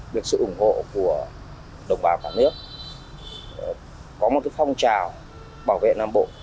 được sự ủng hộ của đồng bào cả nước có một phong trào bảo vệ nam bộ